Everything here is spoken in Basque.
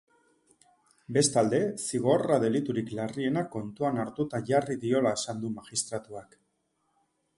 Bestalde, zigorra deliturik larriena kontuan hartuta jarri diola esan du magistratuak.